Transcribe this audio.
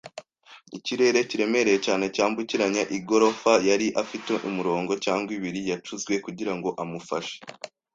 ikirere kiremereye cyane cyambukiranya igorofa. Yari afite umurongo cyangwa ibiri yacuzwe kugirango amufashe